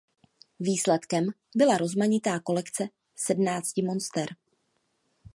Výsledkem byla rozmanitá kolekce sedmnácti monster.